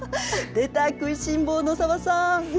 出た食いしん坊の紗和さん。